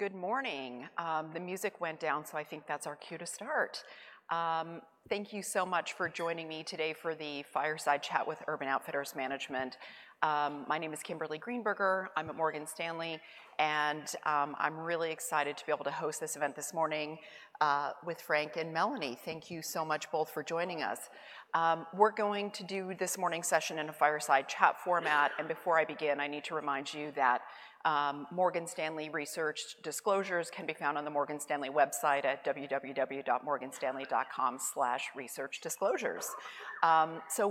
Good morning. The music went down, so I think that's our cue to start. Thank you so much for joining me today for the Fireside Chat with Urban Outfitters management. My name is Kimberly Greenberger, I'm at Morgan Stanley, and I'm really excited to be able to host this event this morning with Frank and Melanie. Thank you so much both for joining us. We're going to do this morning's session in a fireside chat format, and before I begin, I need to remind you that Morgan Stanley research disclosures can be found on the Morgan Stanley website at www.morganstanley.com/researchdisclosures.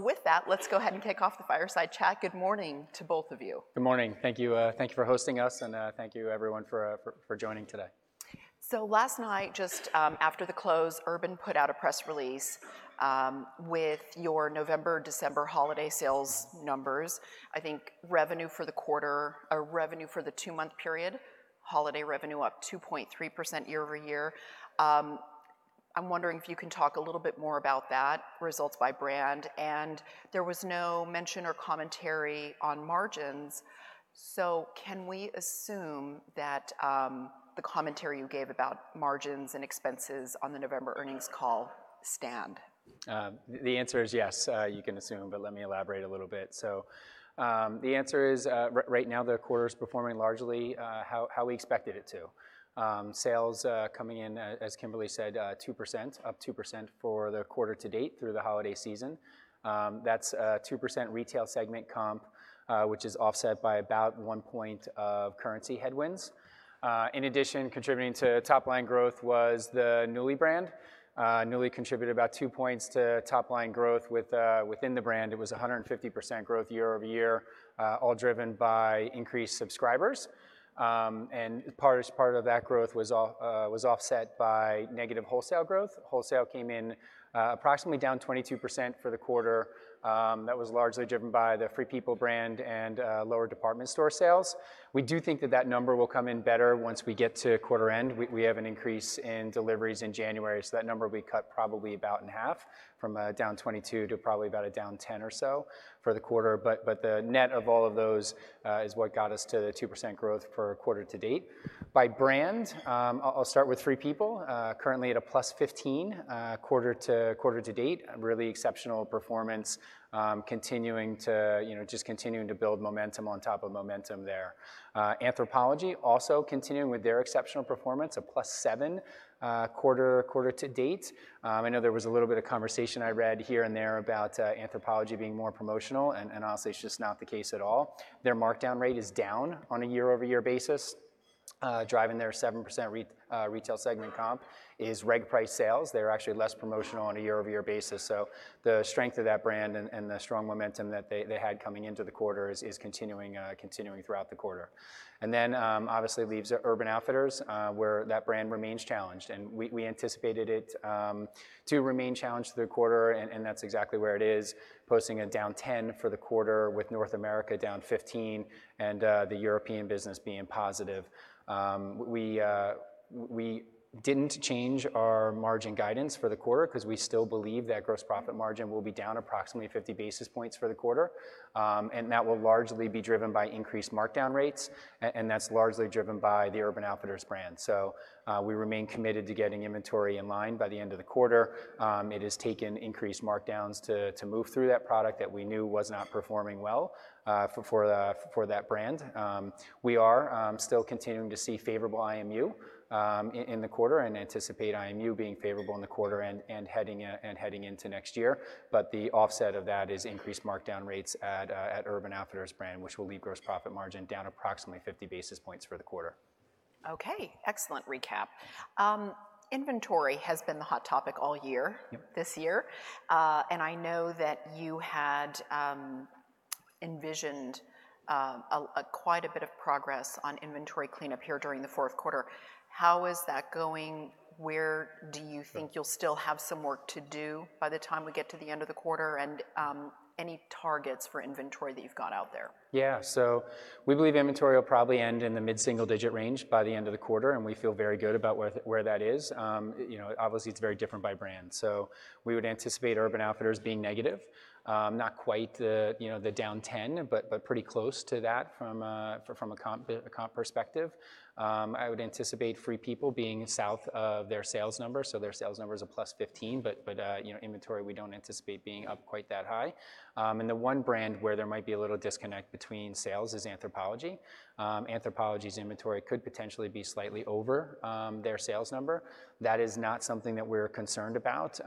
With that, let's go ahead and kick off the fireside chat. Good morning to both of you. Good morning. Thank you, thank you for hosting us, and, thank you everyone for joining today. Last night, just after the close, Urban put out a press release with your November, December holiday sales numbers. I think revenue for the two-month period, holiday revenue up 2.3% year-over-year. I'm wondering if you can talk a little bit more about that, results by brand. There was no mention or commentary on margins, so can we assume that the commentary you gave about margins and expenses on the November earnings call stand? The answer is yes, you can assume, but let me elaborate a little bit. The answer is, right now the quarter is performing largely how we expected it to. Sales coming in as Kimberly said, up 2% for the quarter to date through the holiday season. That's a 2% retail segment comp, which is offset by about one point of currency headwinds. In addition, contributing to top line growth was the Nuuly brand. Nuuly contributed about two points to top line growth with within the brand. It was 150% growth year-over-year, all driven by increased subscribers. As part of that growth was offset by negative wholesale growth. Wholesale came in approximately down 22% for the quarter. That was largely driven by the Free People brand and lower department store sales. We do think that that number will come in better once we get to quarter end. We have an increase in deliveries in January, so that number will be cut probably about in half from -22% to probably about a -10% or so for the quarter. The net of all of those is what got us to the 2% growth for quarter to date. By brand, I'll start with Free People. Currently at a +15% quarter to date. A really exceptional performance, you know, just continuing to build momentum on top of momentum there. Anthropologie also continuing with their exceptional performance, a +7% quarter to date. I know there was a little bit of conversation I read here and there about Anthropologie being more promotional, and honestly it's just not the case at all. Their markdown rate is down on a year-over-year basis. Driving their 7% retail segment comp is reg price sales. They're actually less promotional on a year-over-year basis. The strength of that brand and the strong momentum that they had coming into the quarter is continuing throughout the quarter. Obviously, leaves Urban Outfitters where that brand remains challenged. We anticipated it to remain challenged through the quarter and that's exactly where it is, posting a down 10% for the quarter with North America down 15% and the European business being positive. We didn't change our margin guidance for the quarter 'cause we still believe that gross profit margin will be down approximately 50 basis points for the quarter. That will largely be driven by increased markdown rates and that's largely driven by the Urban Outfitters brand. We remain committed to getting inventory in line by the end of the quarter. It has taken increased markdowns to move through that product that we knew was not performing well for that brand. We are still continuing to see favorable IMU in the quarter and anticipate IMU being favorable in the quarter and heading into next year. The offset of that is increased markdown rates at Urban Outfitters brand, which will leave gross profit margin down approximately 50 basis points for the quarter. Okay. Excellent recap. inventory has been the hot topic all year. Yep. this year. I know that you had envisioned a quite a bit of progress on inventory cleanup here during the fourth quarter. How is that going? Where do you think you'll still have some work to do by the time we get to the end of the quarter? Any targets for inventory that you've got out there? Yeah. We believe inventory will probably end in the mid-single digit range by the end of the quarter, and we feel very good about where that is. You know, obviously it's very different by brand. We would anticipate Urban Outfitters being negative. Not quite, you know, the down 10, but pretty close to that from a comp perspective. I would anticipate Free People being south of their sales number. Their sales number is a +15, but, you know, inventory, we don't anticipate being up quite that high. The one brand where there might be a little disconnect between sales is Anthropologie. Anthropologie's inventory could potentially be slightly over their sales number. That is not something that we're concerned about.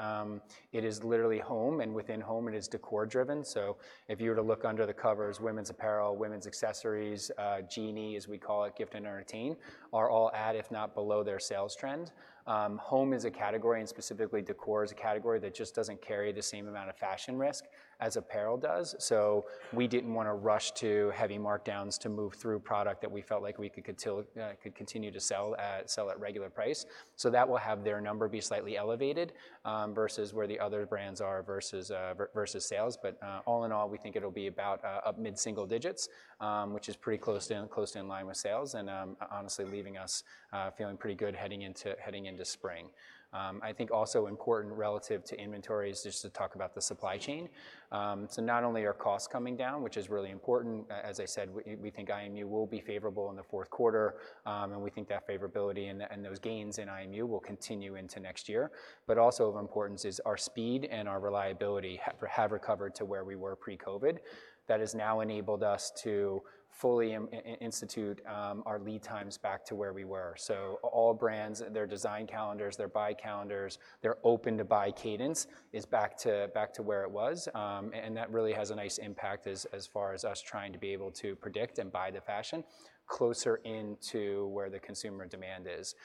It is literally home, within home, it is decor-driven. If you were to look under the covers, women's apparel, women's accessories, Genie, as we call it, gift and entertain, are all at, if not below, their sales trend. Home is a category, and specifically decor is a category that just doesn't carry the same amount of fashion risk as apparel does. We didn't wanna rush to heavy markdowns to move through product that we felt like we could continue to sell at regular price. That will have their number be slightly elevated versus where the other brands are versus sales. All in all, we think it'll be about up mid-single digits, which is pretty close to in line with sales and honestly leaving us feeling pretty good heading into spring. I think also important relative to inventory is just to talk about the supply chain. Not only are costs coming down, which is really important, as I said, we think IMU will be favorable in the fourth quarter, and we think that favorability and those gains in IMU will continue into next year. Also of importance is our speed and our reliability have recovered to where we were pre-COVID. That has now enabled us to fully institute our lead times back to where we were. All brands, their design calendars, their buy calendars, their open-to-buy cadence is back to where it was. And that really has a nice impact as far as us trying to be able to predict and buy the fashion closer into where the consumer demand is.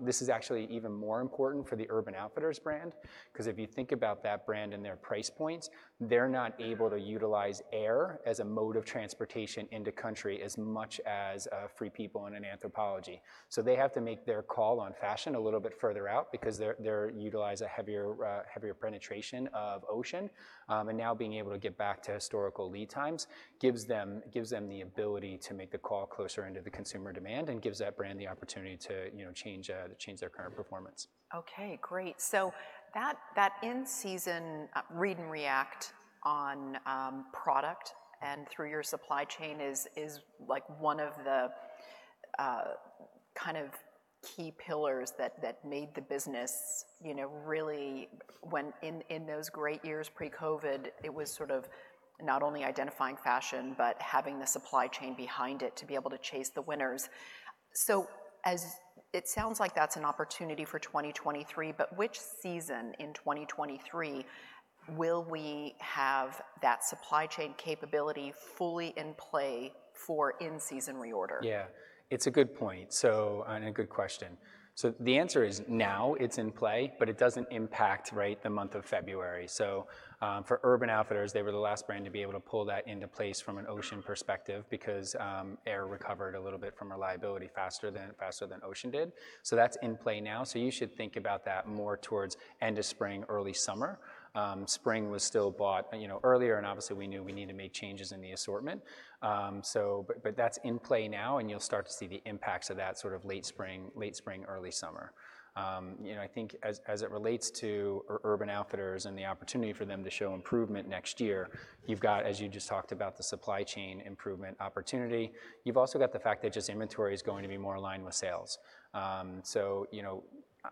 This is actually even more important for the Urban Outfitters brand, 'cause if you think about that brand and their price points, they're not able to utilize air as a mode of transportation into country as much as Free People and an Anthropologie. They have to make their call on fashion a little bit further out because they're utilize a heavier penetration of ocean. Now being able to get back to historical lead times gives them the ability to make the call closer into the consumer demand and gives that brand the opportunity to, you know, change to change their current performance. Okay, great. That, that in-season, read-and-react on, product and through your supply chain is, like, one of the, kind of key pillars that made the business, you know, really when in those great years pre-COVID, it was sort of not only identifying fashion, but having the supply chain behind it to be able to chase the winners. As it sounds like that's an opportunity for 2023, but which season in 2023 will we have that supply chain capability fully in play for in-season reorder? Yeah. It's a good point, so, and a good question. The answer is now it's in play, but it doesn't impact, right, the month of February. For Urban Outfitters, they were the last brand to be able to pull that into place from an ocean perspective because air recovered a little bit from reliability faster than ocean did. That's in play now, so you should think about that more towards end of spring, early summer. Spring was still bought, you know, earlier, and obviously, we knew we need to make changes in the assortment. That's in play now, and you'll start to see the impacts of that sort of late spring, early summer. You know, I think as it relates to Urban Outfitters and the opportunity for them to show improvement next year, you've got, as you just talked about, the supply chain improvement opportunity. You've also got the fact that just inventory is going to be more aligned with sales. You know,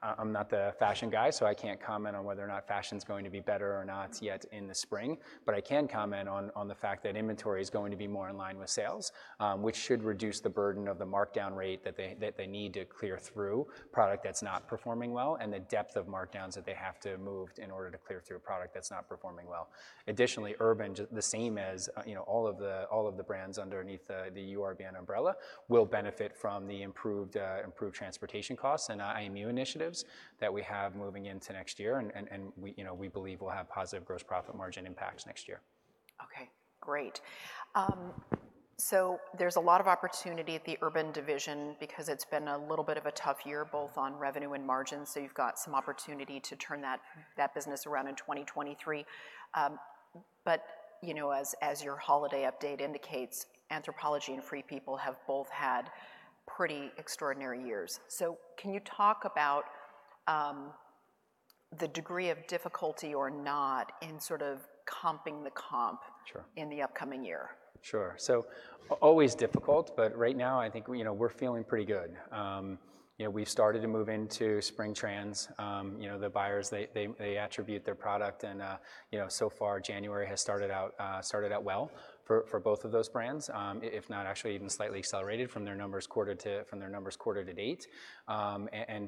I'm not the fashion guy, so I can't comment on whether or not fashion's going to be better or not yet in the spring, but I can comment on the fact that inventory is going to be more in line with sales, which should reduce the burden of the markdown rate that they need to clear through product that's not performing well and the depth of markdowns that they have to move in order to clear through a product that's not performing well. Additionally, Urban, the same as, you know, all of the, all of the brands underneath the Urban umbrella, will benefit from the improved transportation costs and IMU initiatives that we have moving into next year, and we, you know, we believe we'll have positive gross profit margin impacts next year. Okay, great. There's a lot of opportunity at the Urban division because it's been a little bit of a tough year, both on revenue and margins, so you've got some opportunity to turn that business around in 2023. You know, as your holiday update indicates, Anthropologie and Free People have both had pretty extraordinary years. Can you talk about the degree of difficulty or not in sort of comping the comp- Sure in the upcoming year? Sure. Always difficult, but right now I think, you know, we're feeling pretty good. you know, we've started to move into spring trends. you know, the buyers, they attribute their product and, you know, so far January has started out well for both of those brands, if not actually even slightly accelerated from their numbers quarter to date.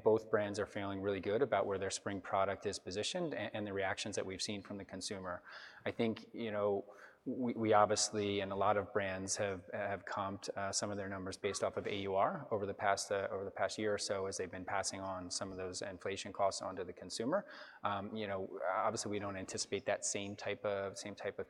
Both brands are feeling really good about where their spring product is positioned and the reactions that we've seen from the consumer. I think, you know, we obviously, and a lot of brands have comped some of their numbers based off of AUR over the past year or so as they've been passing on some of those inflation costs on to the consumer. You know, obviously, we don't anticipate that same type of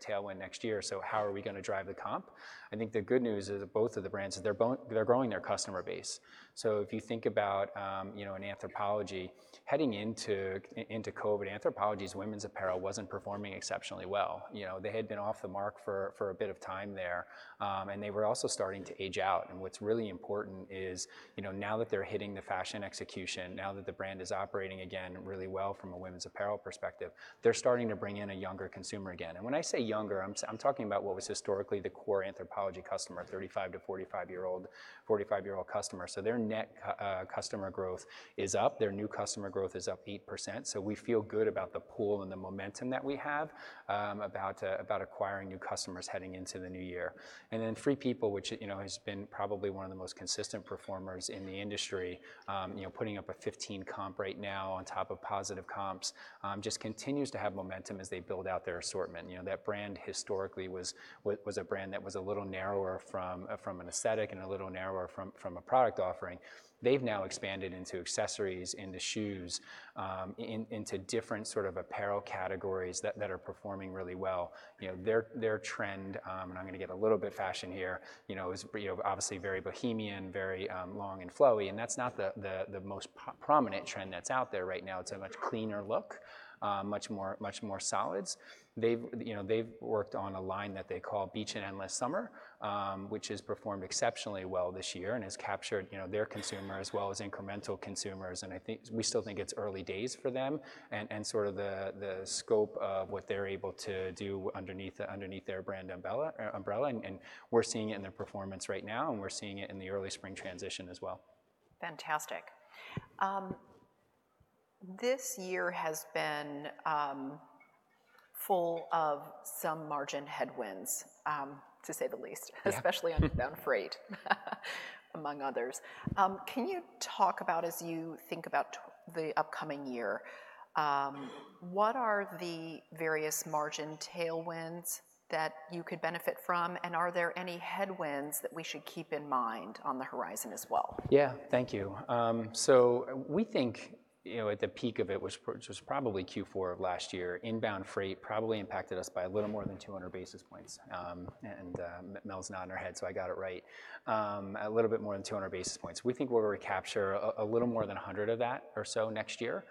tailwind next year, how are we gonna drive the comp? I think the good news is that both of the brands, they're growing their customer base. If you think about, you know, in Anthropologie, heading into COVID, Anthropologie's women's apparel wasn't performing exceptionally well. You know, they had been off the mark for a bit of time there, and they were also starting to age out. What's really important is, you know, now that they're hitting the fashion execution, now that the brand is operating again really well from a women's apparel perspective, they're starting to bring in a younger consumer again. When I say younger, I'm talking about what was historically the core Anthropologie customer, 35- to 45-year-old customer. Their net customer growth is up. Their new customer growth is up 8%, so we feel good about the pool and the momentum that we have about acquiring new customers heading into the new year. Free People, which, you know, has been probably one of the most consistent performers in the industry, you know, putting up a 15 comp right now on top of positive comps, just continues to have momentum as they build out their assortment. You know, that brand historically was a brand that was a little narrower from an aesthetic and a little narrower from a product offering. They've now expanded into accessories, into shoes, into different sort of apparel categories that are performing really well. You know, their trend, and I'm gonna get a little bit fashion here, you know, is, you know, obviously very bohemian, very long and flowy, and that's not the most prominent trend that's out there right now. It's a much cleaner look, much more solids. They've, you know, they've worked on a line that they call FP Beach and Endless Summer, which has performed exceptionally well this year and has captured, you know, their consumer as well as incremental consumers. We still think it's early days for them and sort of the scope of what they're able to do underneath their brand umbrella, and we're seeing it in their performance right now, and we're seeing it in the early spring transition as well. Fantastic. This year has been full of some margin headwinds to say the least. Yeah. Especially on inbound freight, among others. Can you talk about as you think about the upcoming year, what are the various margin tailwinds that you could benefit from, and are there any headwinds that we should keep in mind on the horizon as well? Yeah. Thank you. We think, you know, at the peak of it, which was probably Q4 of last year, inbound freight probably impacted us by a little more than 200 basis points. Mel's nodding her head, so I got it right. A little bit more than 200 basis points. We think we're gonna capture a little more than 100 of that or so next year.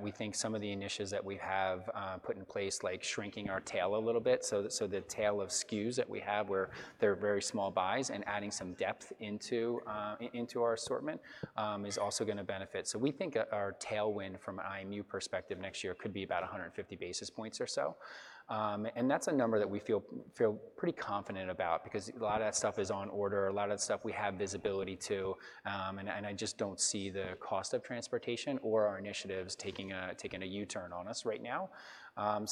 We think some of the initiatives that we have put in place, like shrinking our tail a little bit, so the tail of SKUs that we have where they're very small buys and adding some depth into our assortment is also gonna benefit. We think our tailwind from IMU perspective next year could be about 150 basis points or so. That's a number that we feel pretty confident about because a lot of that stuff is on order, a lot of that stuff we have visibility to, and I just don't see the cost of transportation or our initiatives taking a U-turn on us right now.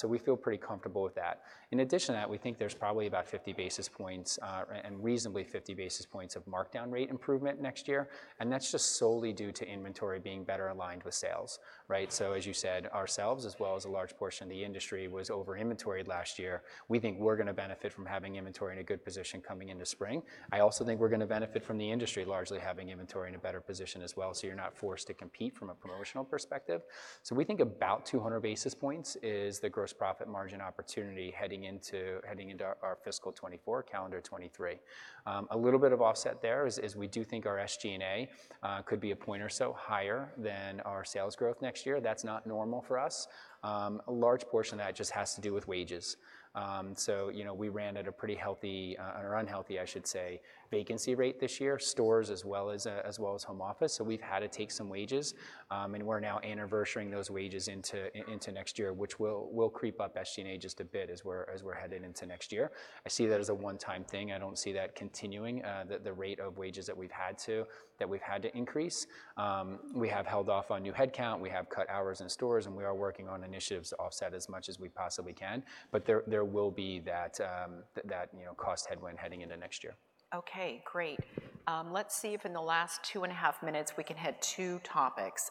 We feel pretty comfortable with that. In addition to that, we think there's probably about 50 basis points and reasonably 50 basis points of markdown rate improvement next year, and that's just solely due to inventory being better aligned with sales, right? As you said, ourselves, as well as a large portion of the industry, was over-inventoried last year. We think we're gonna benefit from having inventory in a good position coming into spring. I also think we're gonna benefit from the industry largely having inventory in a better position as well, so you're not forced to compete from a promotional perspective. We think about 200 basis points is the gross profit margin opportunity heading into our fiscal 2024, calendar 2023. A little bit of offset there is we do think our SG&A could be one point or so higher than our sales growth next year. That's not normal for us. A large portion of that just has to do with wages. You know, we ran at a pretty healthy, or unhealthy I should say, vacancy rate this year, stores as well as well as home office, so we've had to take some wages, and we're now anniversarying those wages into next year, which will creep up SG&A just a bit as we're headed into next year. I see that as a one-time thing. I don't see that continuing, the rate of wages that we've had to increase. We have held off on new headcount, we have cut hours in stores, and we are working on initiatives to offset as much as we possibly can. There will be that, you know, cost headwind heading into next year. Okay. Great. Let's see if in the last two and a half minutes we can hit two topics.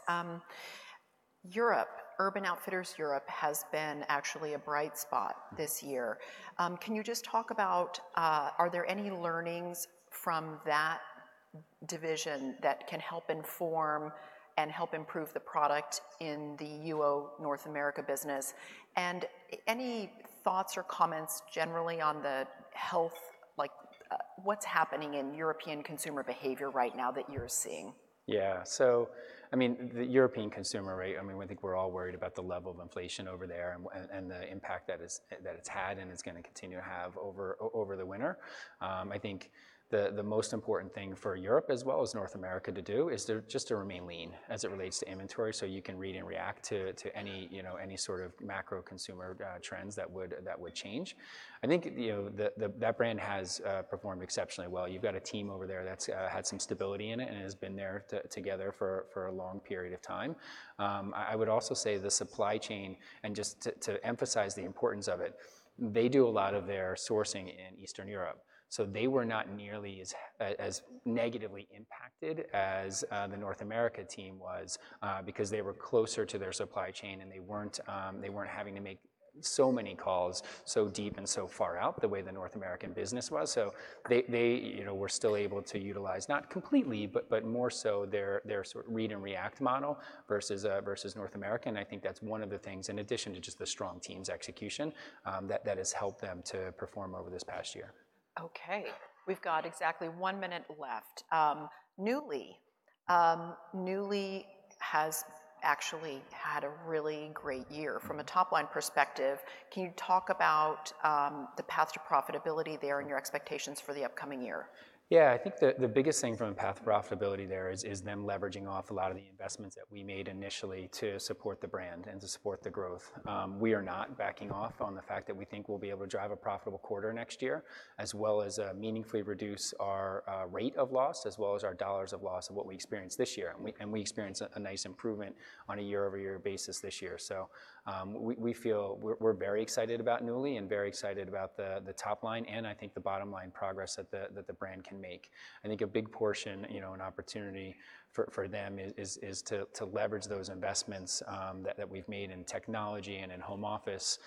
Europe, Urban Outfitters Europe has been actually a bright spot this year. Can you just talk about, are there any learnings from that division that can help inform and help improve the product in the UO North America business? Any thoughts or comments generally on the health, like, what's happening in European consumer behavior right now that you're seeing? Yeah. I mean, the European consumer, right? I mean, we think we're all worried about the level of inflation over there and the impact that it's, that it's had and it's gonna continue to have over over the winter. I think the most important thing for Europe as well as North America to do is to, just to remain lean as it relates to inventory, so you can read and react to any, you know, any sort of macro consumer trends that would, that would change. I think, you know, the that brand has performed exceptionally well. You've got a team over there that's had some stability in it and has been there together for a long period of time. I would also say the supply chain, and just to emphasize the importance of it, they do a lot of their sourcing in Eastern Europe, so they were not nearly as negatively impacted as the North America team was because they were closer to their supply chain, and they weren't, they weren't having to make so many calls so deep and so far out the way the North American business was. They, they, you know, were still able to utilize, not completely, but more so their sort read and react model versus versus North America. I think that's one of the things, in addition to just the strong team's execution, that has helped them to perform over this past year. Okay. We've got exactly one minute left. Nuuly. Nuuly has actually had a really great year from a top-line perspective. Can you talk about the path to profitability there and your expectations for the upcoming year? Yeah. I think the biggest thing from a path to profitability there is them leveraging off a lot of the investments that we made initially to support the brand and to support the growth. We are not backing off on the fact that we think we'll be able to drive a profitable quarter next year, as well as meaningfully reduce our rate of loss, as well as our dollars of loss of what we experienced this year. We experienced a nice improvement on a year-over-year basis this year. We feel we're very excited about Nuuly and very excited about the top line and I think the bottom line progress that the brand can make. I think a big portion, you know, an opportunity for them is to leverage those investments that we've made in technology and in home office,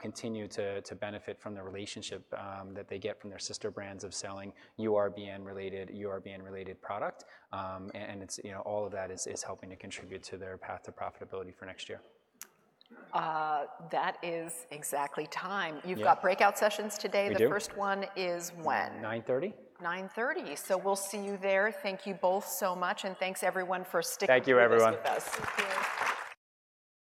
continue to benefit from the relationship that they get from their sister brands of selling URBN-related product. It's, you know, all of that is helping to contribute to their path to profitability for next year. That is exactly time. Yeah. You've got breakout sessions today. We do. The first one is when? 9:30. 9:30 A.M. We'll see you there. Thank you both so much, and thanks everyone for sticking with us. Thank you, everyone.